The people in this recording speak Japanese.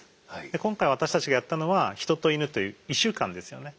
で今回私たちがやったのはヒトとイヌという異種間ですよね。